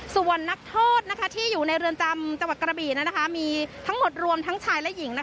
ส่วนนักโทษที่อยู่ในเรือนจำจังหวัดกระบี่มีทั้งหมดรวมทั้งชายและหญิง